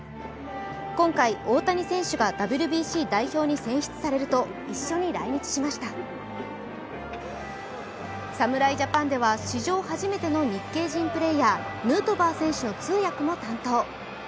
今回、大谷選手がＷＢＣ代表に選出されると、一緒に来日しました侍ジャパンでは史上初めての日系人プレーヤー、ヌートバー選手の通訳も担当。